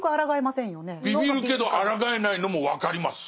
ビビるけどあらがえないのも分かります。